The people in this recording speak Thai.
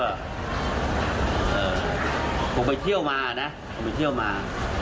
เอ่อกลับไปเที่ยวมานะกลับไปเที่ยวมา